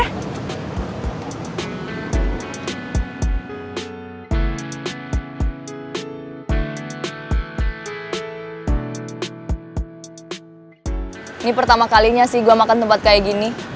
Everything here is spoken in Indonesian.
ini pertama kalinya sih gue makan tempat kayak gini